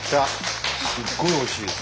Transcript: すっごいおいしいです。